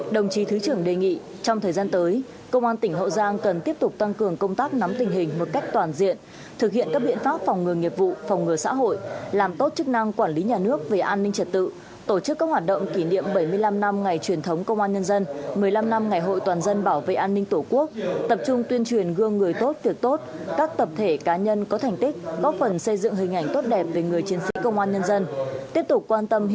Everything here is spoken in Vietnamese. đồng chí thứ trưởng đề nghị trong thời gian tới công an tỉnh hậu giang cần tiếp tục tăng cường công tác nắm tình hình một cách toàn diện thực hiện các biện pháp phòng ngừa nghiệp vụ phòng ngừa xã hội làm tốt chức năng quản lý nhà nước về an ninh trật tự tổ chức các hoạt động kỷ niệm bảy mươi năm năm ngày truyền thống công an nhân dân một mươi năm năm ngày hội toàn dân bảo vệ an ninh tổ quốc tập trung tuyên truyền gương người tốt việc tốt các tập thể cá nhân có thành tích góp phần xây dựng hình ảnh tốt đẹp về người chiến sĩ công an nhân dân tiếp tục quan tâm